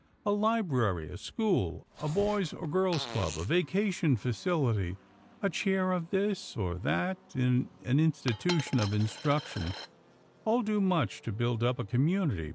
A library, a school, a boys' or girls' club, a vacation facility, a "chair" of this or that in an institution of instruction, all do much to build up a community.